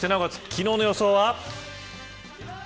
昨日の予想は。